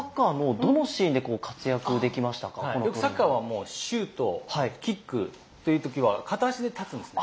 よくサッカーはシュートキックっていう時は片脚で立つんですね。